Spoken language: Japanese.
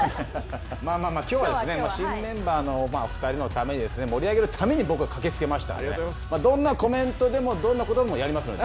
まあまあ、きょうはお２人の新メンバーのお２人のために盛り上げるために僕は駆けつけましたので、どんなコメントでもどんなことでもやりますので。